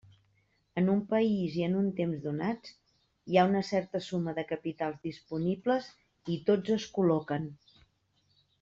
En un país i en un temps donats, hi ha una certa suma de capitals disponibles i tots es col·loquen.